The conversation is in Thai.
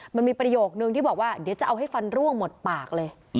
มันมีประโยคนึงที่บอกว่าเดี๋ยวจะเอาให้ฟันร่วงหมดปากเลย